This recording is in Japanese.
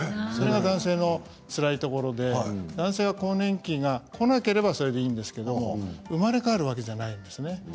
それは男性のつらいところで男性は更年期がこなければそれでいいんですけれども生まれ変わるわけではないんですね。